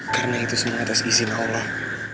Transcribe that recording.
karena itu semua atas izin allah